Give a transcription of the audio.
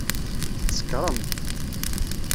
Tsekṛem!